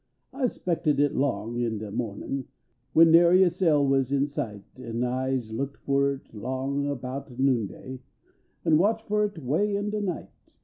I se spected it long in de inoh nin . When nary a sail was in sight, An I se looked fer it long about noondav X watched fer it way in de night.